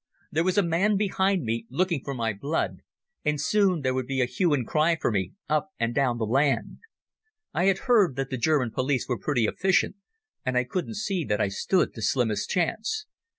There was a man behind me looking for my blood, and soon there would be a hue and cry for me up and down the land. I had heard that the German police were pretty efficient, and I couldn't see that I stood the slimmest chance.